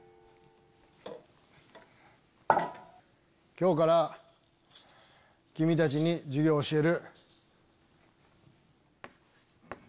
今日から君たちに授業を教える。